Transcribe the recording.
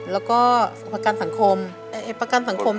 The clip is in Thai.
แล้วก็ประกันสังคมประกันสังคม